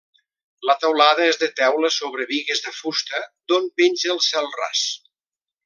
La teulada és de teula sobre bigues de fusta d'on penja el cel ras.